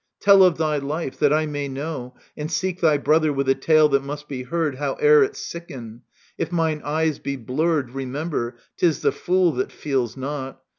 ••• But speak, Tell of thy life, that I may know, and seek Thy brother with a tale that must be heard However it sicken. If mine eyes be blurred, Remember, 'tis the fool that feels not.